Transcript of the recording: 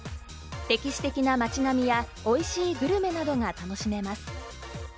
歴史的な町並みやおいしいグルメなどが楽しめます。